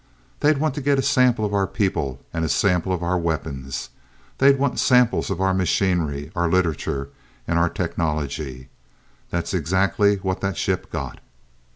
They'd want to get a sample of our people, and a sample of our weapons. They'd want samples of our machinery, our literature and our technology. That's exactly what that ship got.